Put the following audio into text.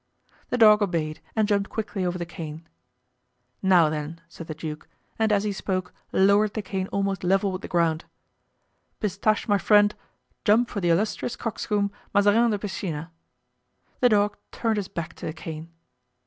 The dog obeyed and jumped quickly over the cane. "Now, then," said the duke, and as he spoke, lowered the cane almost level with the ground; "Pistache, my friend, jump for the 'Illustrious Coxcomb, Mazarin de Piscina.'" The dog turned his back to the cane.